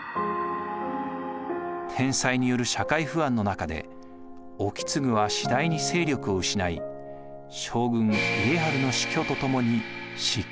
天災による社会不安の中で意次は次第に勢力を失い将軍・家治の死去とともに失脚しました。